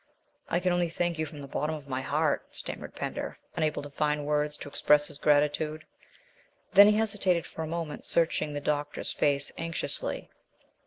"I can only thank you from the bottom of my heart," stammered Pender, unable to find words to express his gratitude. Then he hesitated for a moment, searching the doctor's face anxiously.